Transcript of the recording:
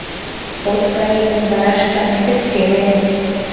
От кае гын, вара шканет ӧпкеле.